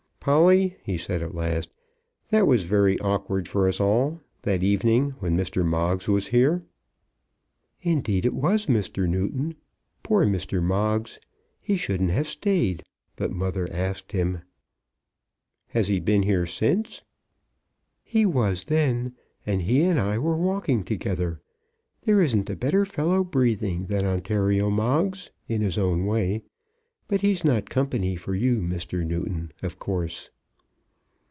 "Polly," he said at last, "that was very awkward for us all, that evening when Mr. Moggs was here." "Indeed it was, Mr. Newton. Poor Mr. Moggs! He shouldn't have stayed; but mother asked him." "Has he been here since?" "He was then, and he and I were walking together. There isn't a better fellow breathing than Ontario Moggs, in his own way. But he's not company for you, Mr. Newton, of course."